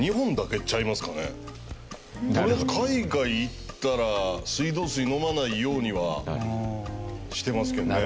とりあえず海外行ったら水道水飲まないようにはしてますけどね。